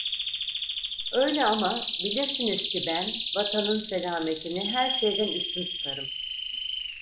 Öyle ama, bilirsiniz ki ben vatanın selametini her şeyden üstün tutarım.